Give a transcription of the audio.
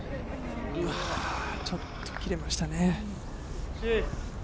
ちょっと切れましたね。